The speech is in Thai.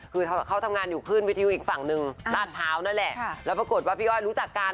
คือเขาทำงานอยู่ขึ้นวิทยุอีกฝั่งหนึ่งลาดพร้าวนั่นแหละแล้วปรากฏว่าพี่อ้อยรู้จักกัน